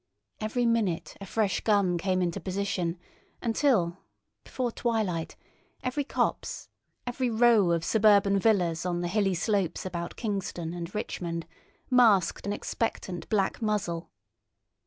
Every minute a fresh gun came into position until, before twilight, every copse, every row of suburban villas on the hilly slopes about Kingston and Richmond, masked an expectant black muzzle.